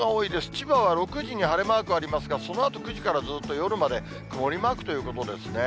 千葉は６時に晴れマークありますが、そのあと９時からずっと夜まで曇りマークということですね。